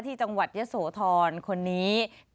ที่จังหวัดยะโสธรคนนี้